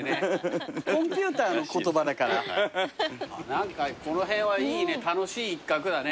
何かこの辺はいいね楽しい一角だね